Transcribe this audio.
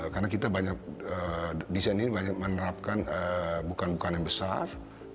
karena kita banyak menerapkan bukan bukan yang besar